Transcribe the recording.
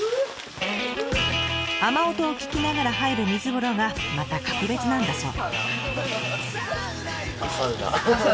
雨音を聞きながら入る水風呂がまた格別なんだそう。